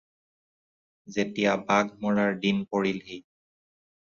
যেতিয়া বাঘ মৰাৰ দিন পৰিলহি।